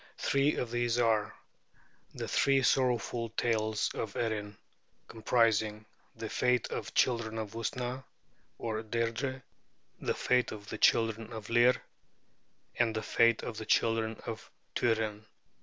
Three of these are The Three Sorrowful Tales of Erin', comprising 'The Fate of the Children of Usna' (or 'Deirdrê'); 'The Fate of the Children of Lir'; and 'The Fate of the Children of Tuirenn'.